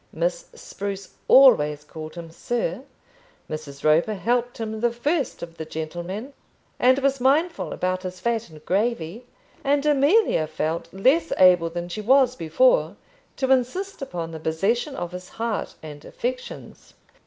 Miss Spruce always called him "sir." Mrs. Roper helped him the first of the gentlemen, and was mindful about his fat and gravy, and Amelia felt less able than she was before to insist upon the possession of his heart and affections.